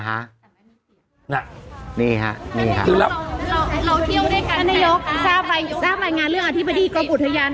ท่านนัยยกสร้างบัญงานเรื่องอธิบดีกับบุตถญนต์